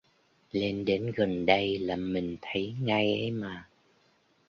Lên đến gần đây là mình thấy ngay ấy mà